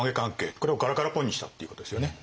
これをガラガラポンにしたっていうことですよね。